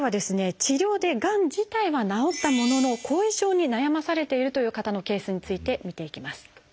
治療でがん自体は治ったものの後遺症に悩まされているという方のケースについて見ていきます。